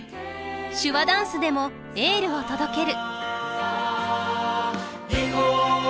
手話ダンスでもエールを届ける。